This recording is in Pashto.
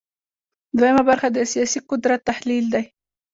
دویمه برخه د سیاسي قدرت تحلیل دی.